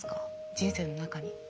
人生の中に。